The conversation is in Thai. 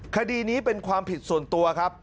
คดีนี้เป็นความผิดส่วนตัวครับ